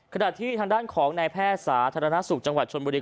ขณะที่ทางด้านของนายแพทย์สาธารณสุขจังหวัดชนบุรี